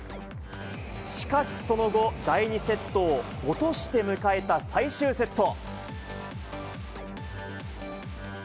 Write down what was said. しかし、その後、第２セットを落として迎えた最終セット。